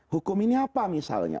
hukum ini apa misalnya